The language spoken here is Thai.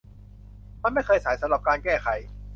มันไม่เคยสายสำหรับการแก้ไข